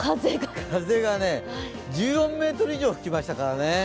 風がね、１４メートル以上吹きましたからね。